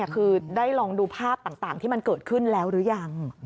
คือได้ลองดูภาพต่างที่มันเกิดขึ้นแล้วหรือยัง